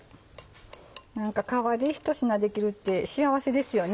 何か皮で一品できるって幸せですよね。